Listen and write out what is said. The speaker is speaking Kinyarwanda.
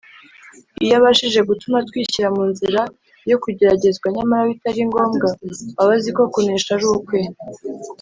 . Iyo abashije gutuma twishyira mu nzira yo kugeragezwa nyamara bitari ngombwa, aba azi ko kunesha ari ukwe